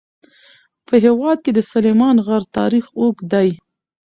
په هېواد کې د سلیمان غر تاریخ اوږد دی.